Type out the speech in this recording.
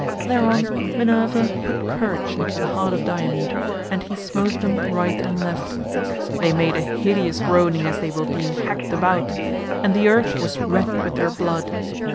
Thereon Minerva put courage into the heart of Diomed, and he smote them right and left. They made a hideous groaning as they were being hacked about, and the earth was red with their blood.